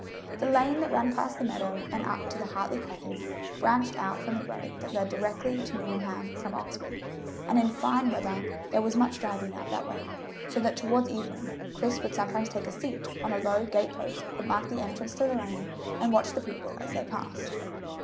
The lane that ran past the meadow and up to the Hartley cottage branched out from the road that led directly to Nuneham from Oxford, and in fine weather there was much driving out that way, so that toward evening Chris would sometimes take a seat on a low gate post that marked the entrance to the lane and watch the people as they passed.